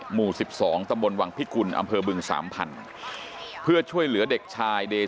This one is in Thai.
หมู่๑๒ตำบลวังพิกุลอำเภอบึงสามพันธุ์เพื่อช่วยเหลือเด็กชายเด